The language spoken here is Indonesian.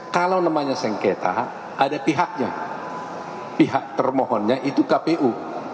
kalau namanya sengketa ada pihaknya pihak termohonnya itu kpu